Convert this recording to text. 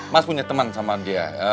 mas punya teman sama dia